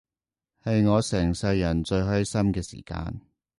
係我成世人最開心嘅時間